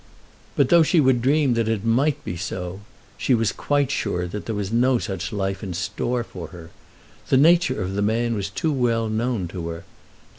But though she would dream that it might be so, she was quite sure that there was no such life in store for her. The nature of the man was too well known to her.